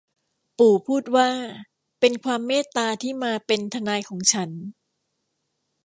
ปู่พูดว่า เป็นความเมตตาที่มาเป็นทนายของฉัน